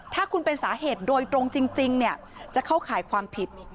ถ้าคุณเป็นสาเหตุโดยตรงจริงจะเข้าข่ายความผิด